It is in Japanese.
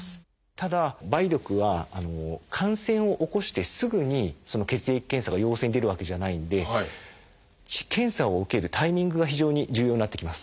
ただ梅毒は感染を起こしてすぐに血液検査が陽性に出るわけじゃないんで検査を受けるタイミングが非常に重要になってきます。